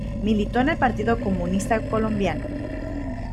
Militó en el Partido Comunista Colombiano.